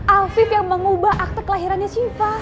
afif yang mengubah akte kelahirannya sifah